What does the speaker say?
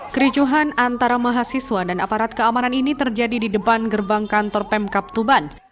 kericuhan antara mahasiswa dan aparat keamanan ini terjadi di depan gerbang kantor pemkap tuban